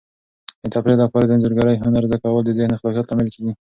د تفریح لپاره د انځورګرۍ هنر زده کول د ذهن د خلاقیت لامل کیږي.